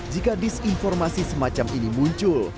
jika disinformasi semacam ini muncul